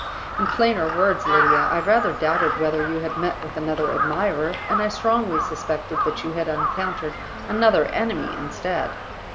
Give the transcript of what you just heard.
In plainer words, Lydia, I rather doubted whether you had met with another admirer; and I strongly suspected that you had encountered another enemy instead.